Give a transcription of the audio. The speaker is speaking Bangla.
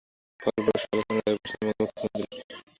ফলপ্রসূ আলোচনার দাবি পশ্চিমবঙ্গের মুখ্যমন্ত্রীর।